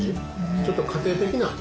ちょっと家庭的な味。